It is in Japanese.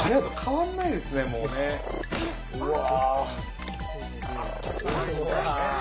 うわ。